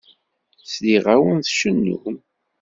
Sliɣ-awen tcennum.